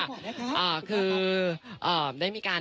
อังกฤษคุณผู้ชายพี่น้องครับ